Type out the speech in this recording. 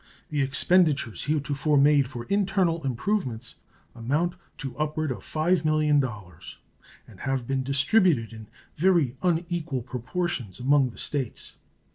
The expenditures heretofore made for internal improvements amount to upward of $5 millions, and have been distributed in very unequal proportions amongst the States.